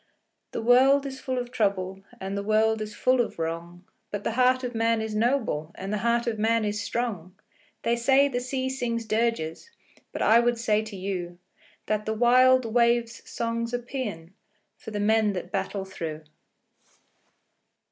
The world is full of trouble, And the world is full of wrong, But the heart of man is noble, And the heart of man is strong! They say the sea sings dirges, But I would say to you That the wild wave's song's a paean For the men that battle through.